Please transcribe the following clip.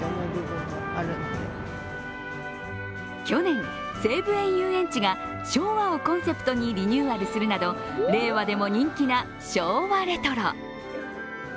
去年、西武園ゆうえんちが昭和をコンセプトにリニューアルするなど、令和でも人気な昭和レトロ。